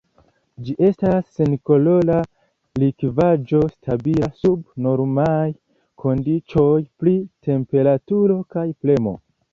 Ĝi estas senkolora likvaĵo stabila sub normaj kondiĉoj pri temperaturo kaj premo.